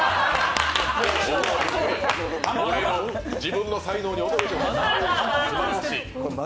自分の才能に驚いてます、すばらしい。